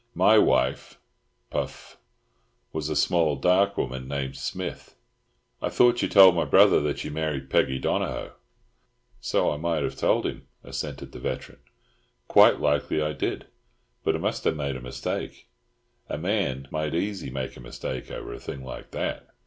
My wife"—puff—"was a small, dark woman, named Smith." "I thought you told my brother that you married Peggy Donohoe." "So I might have told him," assented the veteran. "Quite likely I did, but I must ha' made a mistake. A man might easy make a mistake over a thing like that.